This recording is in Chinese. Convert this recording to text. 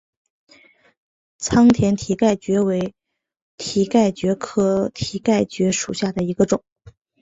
仓田蹄盖蕨为蹄盖蕨科蹄盖蕨属下的一个种。